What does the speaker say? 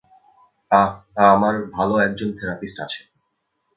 আ-আমার ভালো একজন থেরাপিস্ট আছে।